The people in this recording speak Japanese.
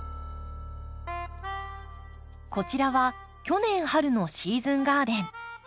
こちらは去年春のシーズンガーデン。